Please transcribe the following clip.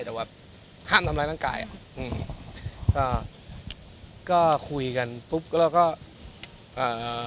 แต่ว่าห้ามทำลายร่างกายอืมก็ก็คุยกันปุ๊บแล้วก็เอ่อ